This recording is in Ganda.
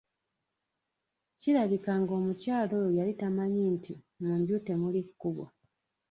Kirabika ng'omukyala oyo yali tamanyi nti "mu nju temuli kkubo".